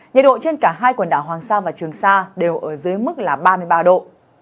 nhiệt độ trên cả hai quần đảo hoàng sa và trường sa đều ở dưới mức là ba mươi ba độ